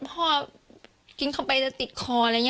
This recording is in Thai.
พ่อกินเข้าไปจะติดคอ